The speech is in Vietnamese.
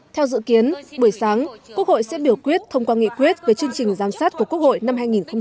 theo dự kiến buổi sáng quốc hội sẽ biểu quyết thông qua nghị quyết về chương trình giám sát của quốc hội năm hai nghìn hai mươi